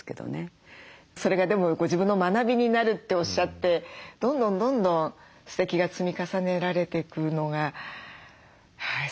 それがでもご自分の学びになるっておっしゃってどんどんどんどんすてきが積み重ねられていくのがそれがでもさり気ないんですよね